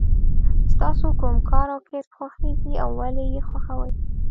ستاسو کوم کار او کسب خوښیږي او ولې یې خوښوئ.